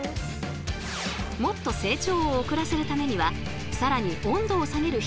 もっと成長を遅らせるためには更に温度を下げる必要があるそうなのですが